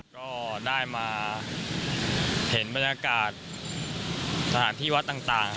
ก็ได้มาเห็นบรรยากาศสถานที่วัดต่าง